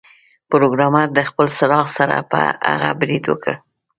پروګرامر د خپل څراغ سره پر هغه برید وکړ